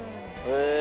へえ。